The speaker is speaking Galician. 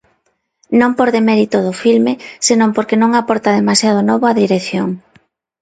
Non por demérito do filme, senón porque non aporta demasiado novo á dirección.